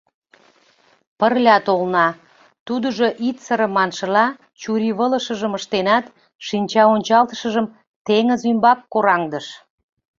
Пырля толна, — тудыжо, «Ит сыре» маншыла, чурийвылышыжым ыштенат, шинчаончалтышыжым теҥыз ӱмбак кораҥдыш.